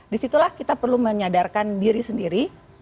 disitulah kita perlu menyadarkan diri sendiri